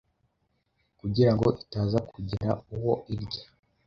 kugira ngo itaza kugira uwo irya